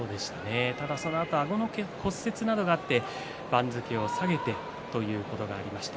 ただ、そのあとあごの骨折があって番付を下げてということがありました。